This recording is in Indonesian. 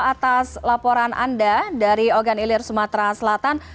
atas laporan anda dari ogan ilir sumatera selatan